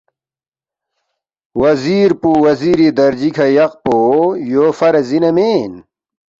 وزیر پو وزیری درجی کھہ یقپو ، یو فرض اِنا مین؟“